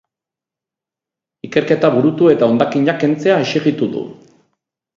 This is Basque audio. Ikerketa burutu eta hondakinak kentzea exijitu du.